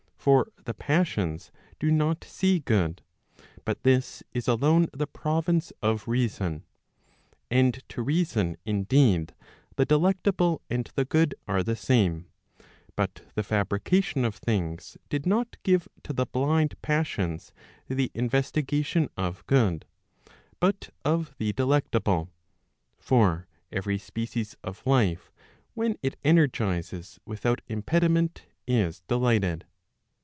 For the passions do not see good, but this is alone the province of reason. And to reason indeed, the delectable and the good are the same; but the fabrication of things did not give to the blind passions the investigation of good, but of the delectable; for every species of life when it energizes without impediment is delighted.